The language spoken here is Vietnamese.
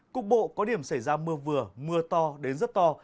cục bộ có điểm xảy ra mưa vừa mưa to đến rất to